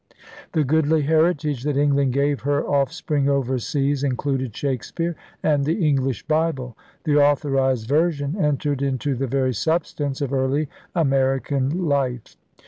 ' The goodly heritage that England gave her offspring overseas included Shakespeare and the English Bible. The Authorized Version entered into the very substance of early American life.